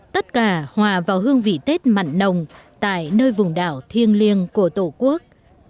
tất cả hòa vào hương vị tết mặn nồng tại nơi vùng đảo thiêng liêng của tổ quốc